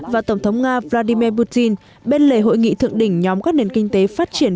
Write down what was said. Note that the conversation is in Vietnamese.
và tổng thống nga vladimir putin bên lề hội nghị thượng đỉnh nhóm các nền kinh tế phát triển